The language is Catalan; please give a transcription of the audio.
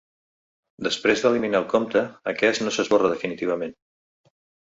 Després d’eliminar el compte, aquest no s’esborra definitivament.